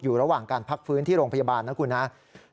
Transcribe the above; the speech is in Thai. ระหว่างการพักฟื้นที่โรงพยาบาลนะครับ